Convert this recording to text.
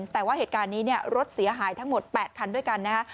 แต่ว่าเหตุการณ์นี้รถเสียหายทั้งหมด๘คันด้วยกันนะฮะ